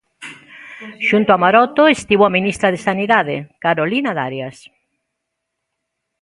Xunto a Maroto estivo a ministra de Sanidade, Carolina Darias.